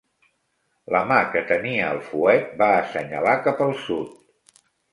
La mà que tenia el fuet va assenyalar cap al sud.